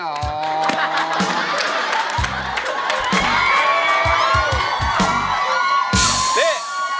นี่